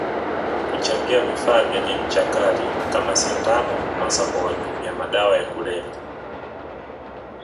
Kuchangia vifaa vyenye ncha Kali kama sindano hasa kwa watumia madawa ya kulevya